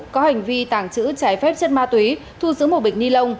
có hành vi tàng trữ trái phép chất ma túy thu giữ một bịch ni lông